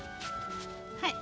はい。